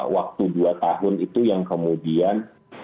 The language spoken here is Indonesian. waktu dua tahun itu yang kemudian